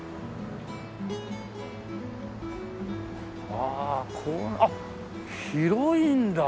あああっ広いんだ！